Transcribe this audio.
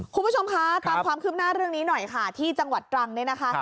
คุณผู้ชมคะตามความคืบหน้าเรื่องนี้หน่อยค่ะที่จังหวัดตรังเนี่ยนะคะ